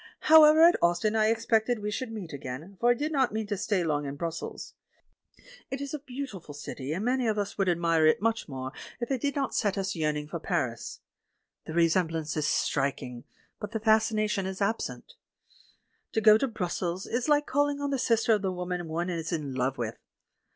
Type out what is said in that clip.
However, at Ostend I expected we should meet again, for I did not mean to stay long in Brussels. It is a beautiful city, and many of us would admire it much more if it did not set us yearning for Paris. The resemblance is strik ing, but the fascination is absent. To go to Brus sels is like calling on the sister of the woman one is in love with.